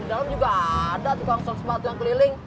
di dalam juga ada tukang sepatu yang keliling